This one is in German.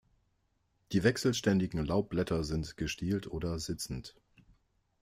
Die wechselständigen Laubblätter sind gestielt oder sitzend.